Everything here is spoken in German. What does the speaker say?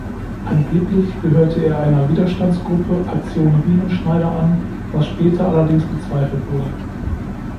Angeblich gehörte er einer Widerstandsgruppe „Aktion Riemenschneider“ an, was später allerdings bezweifelt wurde.